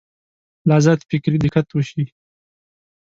لا زیات فکري دقت وشي.